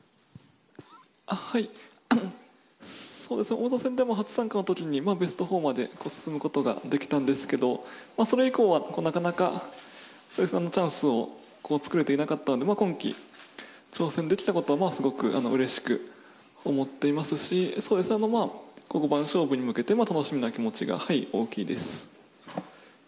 王座戦でも、初参加の時にベスト４まで進むことができたんですけどもそれ以降はなかなかチャンスを作れていなかったので今期、挑戦できたことはすごくうれしく思っていますし五番勝負に向けて楽しみな気持ちが大きいです。